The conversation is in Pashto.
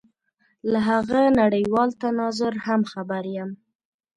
له هغه نړېوال تناظر هم خبر یم.